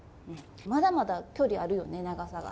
まだまだ距離あるよね長さが。